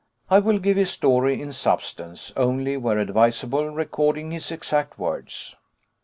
I will give his story in substance, only where advisable recording his exact words.